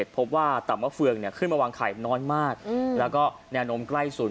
พบว่าต่ำมะเฟืองขึ้นมาวางไข่น้อยมากแล้วก็แนวโน้มใกล้สุด